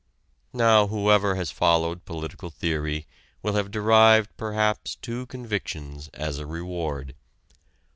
Now whoever has followed political theory will have derived perhaps two convictions as a reward.